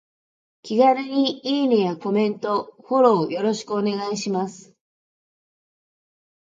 気軽にいいねやコメント、フォローよろしくお願いします。